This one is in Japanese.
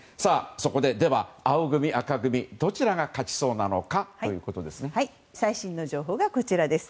そこででは、青組・赤組どちらが勝ちそうなのか最新の情報がこちらです。